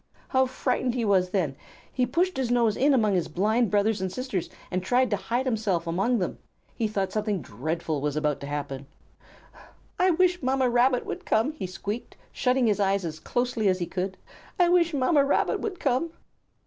How frightened he was then! He pushed his nose in among his blind brothers and sisters and tried to hide himself among them. He thought something dreadful was about to happen. "I wish Mamma Rabbit would come," he squeaked, shutting his eyes as closely as he could. "I wish Mamma Rabbit would come."